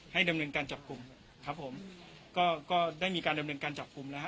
ดำเนินการจับกลุ่มครับผมก็ก็ได้มีการดำเนินการจับกลุ่มแล้วฮ